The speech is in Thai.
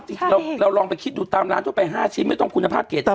ก็ติดเราเราลองไปคิดดูตามร้านชั่วไปห้าชิ้นไม่ต้องคุณภาพเกตเอง